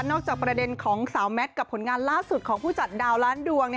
จากประเด็นของสาวแมทกับผลงานล่าสุดของผู้จัดดาวล้านดวง